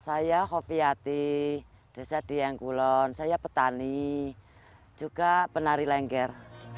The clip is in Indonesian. saya kofiati desa diengkulon saya petani juga penari lengger